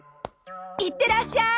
いってらっしゃい！